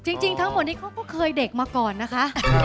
จริงแล้วทั้งหมดก็เคยเด็กมาก่อนนะคะ